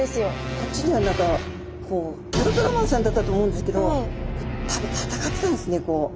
こっちには何かこうウルトラマンさんだったと思うんですけど多分戦ってたんですねこう。